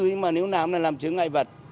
nhưng mà nếu làm thì làm chứa ngại vật